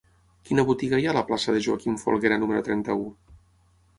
Quina botiga hi ha a la plaça de Joaquim Folguera número trenta-u?